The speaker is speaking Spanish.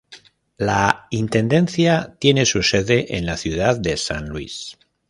La intendencia tiene su sede en la ciudad de San Luis.